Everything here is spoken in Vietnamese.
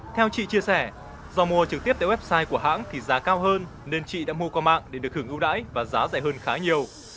theo chị chia sẻ do mua trực tiếp tại website của hãng thì giá cao hơn nên chị đã mua qua mạng để được hưởng ưu đãi và giá rẻ hơn khá nhiều